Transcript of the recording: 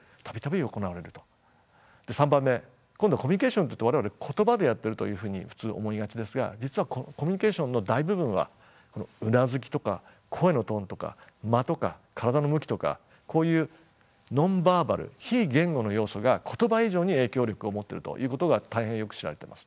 ３番目今度はコミュニケーションというと我々言葉でやっているというふうに普通思いがちですが実はコミュニケーションの大部分はうなずきとか声のトーンとか間とか体の向きとかこういうＮｏｎ−ｖｅｒｂａｌ非言語の要素が言葉以上に影響力を持っているということが大変よく知られています。